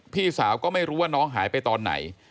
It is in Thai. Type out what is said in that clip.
พี่สาวก็ไม่รู้ว่าน้องหายไปตอนไหน